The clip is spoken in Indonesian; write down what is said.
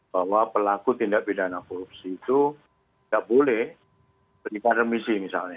bahwa pelaku tindak pidana korupsi itu tidak boleh berikan remisi misalnya